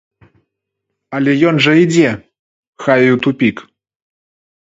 Але ён жа ідзе, хай і ў тупік!